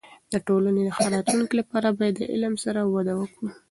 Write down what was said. د ټولنې د ښه راتلونکي لپاره باید د علم سره وده وکړو.